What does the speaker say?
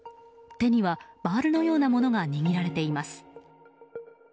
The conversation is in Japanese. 手にはバールのようなものが握られています。